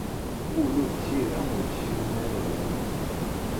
Ula d tira ur ssinen ara ad arun.